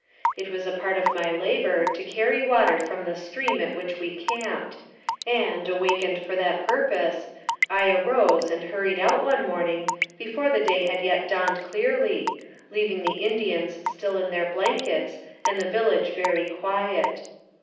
It was a part of my labor to carry water from the stream at which we camped, and, awakened for that purpose, I arose and hurried out one morning before the day had yet dawned clearly, leaving the Indians still in their blankets, and the village very quiet.